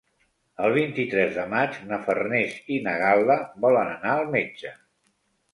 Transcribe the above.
El vint-i-tres de maig na Farners i na Gal·la volen anar al metge.